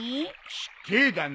失敬だな。